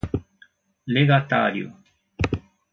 legatário